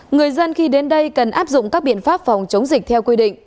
người dân khi đến đây cần áp dụng các biện pháp phòng chống dịch theo quy định